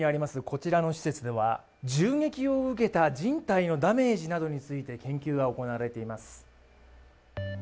こちらの施設では、銃撃を受けた人体のダメージなどについて研究が行われています。